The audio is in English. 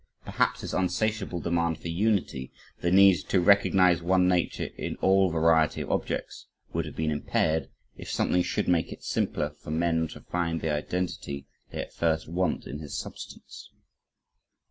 Perhaps his "unsatiable demand for unity, the need to recognize one nature in all variety of objects," would have been impaired, if something should make it simpler for men to find the identity they at first want in his substance.